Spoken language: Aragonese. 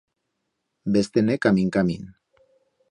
Ves-te-ne camín-camín.